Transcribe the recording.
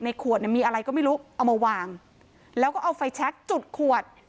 ขวดเนี่ยมีอะไรก็ไม่รู้เอามาวางแล้วก็เอาไฟแชคจุดขวด